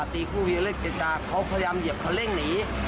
ตีคู่วิเล็กจินดาเขาพยายามเหยียบคันเร่งหนี